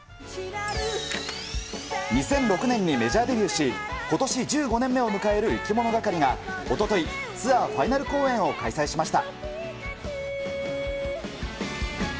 ２００６年にメジャーデビューし、ことし１５年目を迎えるいきものがかりが、おととい、ツアーファイナル公演を開催しました。